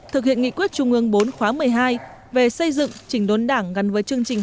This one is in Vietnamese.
thực hiện nghị quyết trung ương bốn khóa một mươi hai về xây dựng chỉnh đốn đảng gắn với chương trình